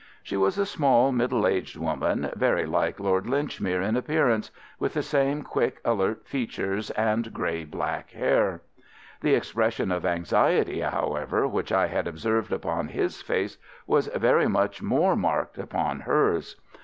She was a small, middle aged woman, very like Lord Linchmere in appearance, with the same quick, alert features and grey black hair. The expression of anxiety, however, which I had observed upon his face was very much more marked upon hers.